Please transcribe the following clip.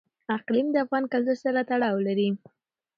اقلیم د افغان کلتور سره تړاو لري.